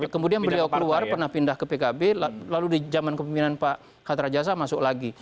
kemudian beliau keluar pernah pindah ke pkb lalu di zaman kepemimpinan pak hatta rajasa masuk lagi